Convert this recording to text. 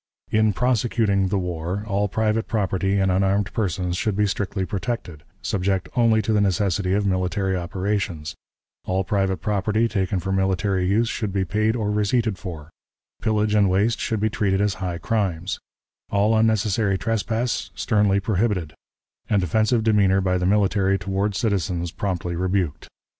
"In prosecuting the war, all private property and unarmed persons should be strictly protected, subject only to the necessity of military operations; all private property taken for military use should be paid or receipted for; pillage and waste should be treated as high crimes; all unnecessary trespass sternly prohibited, and offensive demeanor by the military toward citizens promptly rebuked.